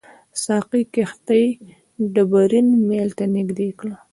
ساقي کښتۍ ډبرین میل ته نږدې کړه.